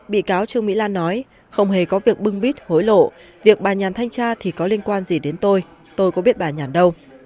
bị cáo trương mỹ lan nói không hề có việc bưng bít hối lộ việc bà nhàn thanh tra thì có liên quan gì đến tôi tôi có biết bà nhàn đâu